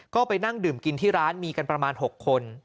ก็ไปนั่งดื่มกินที่ร้านมีกันประมาณ๖คน